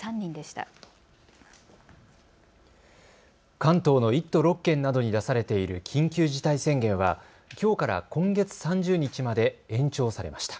関東の１都６県などに出されている緊急事態宣言はきょうから今月３０日まで延長されました。